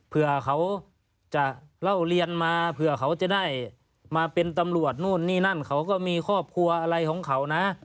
เผื่อเขาจะเล่าเรียนมาเผื่อเขาจะได้มาเป็นตำรวจนู่นนี่นั่นเขาก็มีครอบครัวอะไรของเขานะ